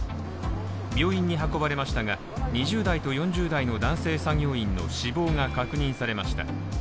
病院に運ばれましたが、２０代と４０代の男性作業員の死亡が確認されました。